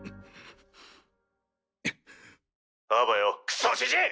あばよクソジジイ！